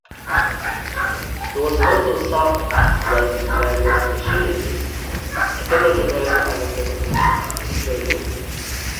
It was also served well by various missionaries, ethnographers, anthropologists, and historians.